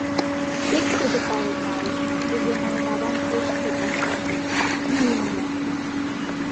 Тек тудо пален налеш, кузе мыйын авам пеш чот вашталтын... ну и мыят.